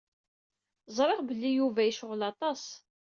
Ẓriɣ belli Yuba yecɣel aṭas.